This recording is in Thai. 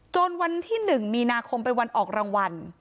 วันที่๑มีนาคมเป็นวันออกรางวัล